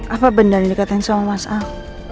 apa beneran yang dikatakan sama mas al